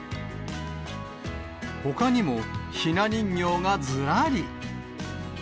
ほかにも、ひな人形がずらり。